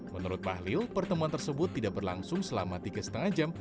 menurut bahlil pertemuan tersebut tidak berlangsung selama tiga lima jam